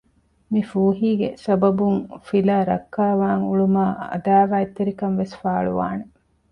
މި ފޫހީގެ ސަބަބުން ފިލާ ރައްކާވާން އުޅުމާއި ޢަދާވާތްތެރިކަން ވެސް ފާޅުވާނެ